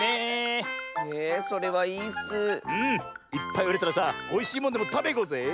いっぱいうれたらさおいしいものでもたべにいこうぜ！